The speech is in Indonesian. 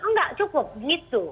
enggak cukup gitu